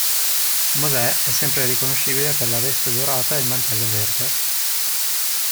Mosè è sempre riconoscibile per la veste dorata e il mantello verde.